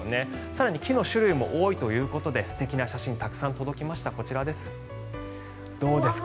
更に木の種類も多いということで素敵な写真がたくさん届きましたこちらです。